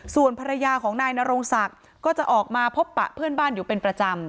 ส่วนภรรยาของนายนโรงศักดิ์ก็จะออกมาพบปะเพื่อนบ้านอยู่เป็นประจำ